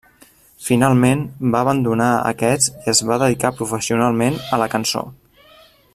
Finalment, va abandonar aquests i es va dedicar professionalment a la cançó.